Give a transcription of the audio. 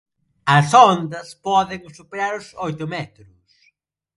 As ondas poden superar os oito metros.